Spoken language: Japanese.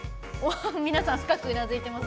皆さん、深くうなずいてます。